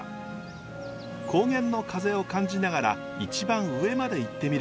高原の風を感じながら一番上まで行ってみることに。